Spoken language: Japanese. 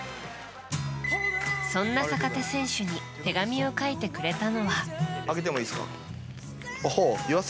そんな坂手選手に手紙を書いてくれたのは。